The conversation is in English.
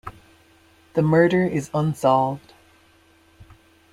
The murder is unsolved.